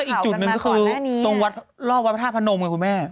อีกจุดหนึ่งก็คือตรงวัดรอบวัดพระธาตุพนมไงคุณแม่